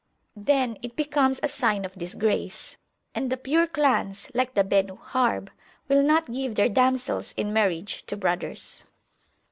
Then it becomes a sign of disgrace, and the pure clans, like the Benu Harb, will not give their damsels in marriage to brothers.